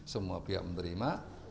semua pihak menerima